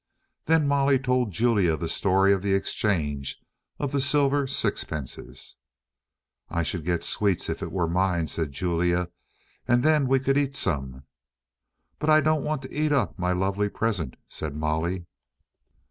Then Molly told Julia the story of the exchange of the silver sixpences. "I should get sweets if it were mine," said Julia, "and then we could eat some." "But I don't want to eat up my lovely present," said Molly.